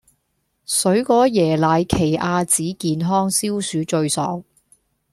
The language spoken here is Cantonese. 水果椰奶奇亞籽健康消暑最爽